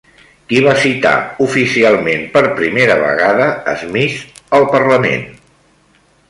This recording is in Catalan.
Qui va citar oficialment per primera vegada Smith al parlament?